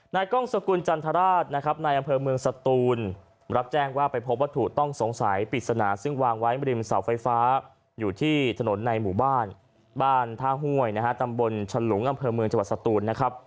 กล้องสกุลจันทราชนะครับในอำเภอเมืองสตูนรับแจ้งว่าไปพบวัตถุต้องสงสัยปริศนาซึ่งวางไว้ริมเสาไฟฟ้าอยู่ที่ถนนในหมู่บ้านบ้านท่าห้วยนะฮะตำบลฉลุงอำเภอเมืองจังหวัดสตูนนะครับ